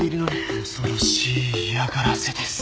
恐ろしい嫌がらせです。